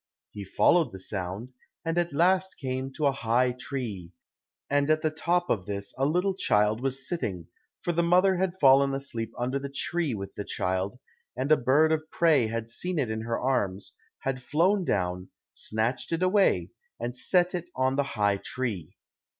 He followed the sound, and at last came to a high tree, and at the top of this a little child was sitting, for the mother had fallen asleep under the tree with the child, and a bird of prey had seen it in her arms, had flown down, snatched it away, and set it on the high tree.